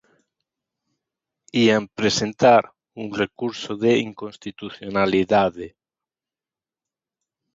Ían presentar un recurso de inconstitucionalidade.